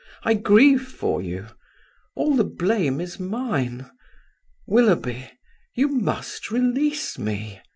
I grieve for you. All the blame is mine. Willoughby, you must release me.